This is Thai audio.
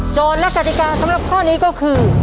และกติกาสำหรับข้อนี้ก็คือ